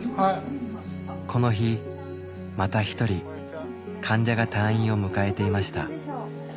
この日また一人患者が退院を迎えていました。